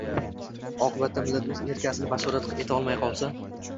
oqibatda millat o‘z ertasini bashorat eta olmay qolsa